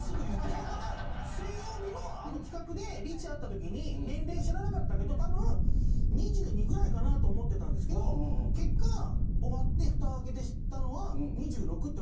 だから水曜日のあの企画でリチ会ったときに年齢知らなかったけどたぶん２２ぐらいかなと思ってたんですけど結果終わってフタを開けて知ったのは。